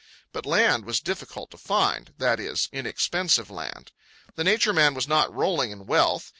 But land was difficult to find—that is, inexpensive land. The Nature Man was not rolling in wealth.